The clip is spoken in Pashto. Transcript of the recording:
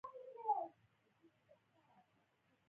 چاپلوسي انسان ته زیان رسوي.